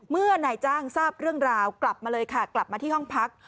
เมื่อนายจ้างทราบเรื่องราวกลับมาเลยค่ะกลับมาที่ห้องพัก